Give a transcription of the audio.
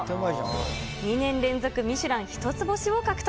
２年連続ミシュラン一つ星を獲得。